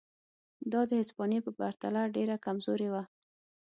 دا د هسپانیې په پرتله ډېره کمزورې وه.